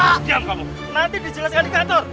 sedang kamu nanti dijelaskan di kantor